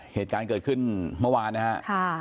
เหตุการณ์เกิดขึ้นเมื่อวานนะครับ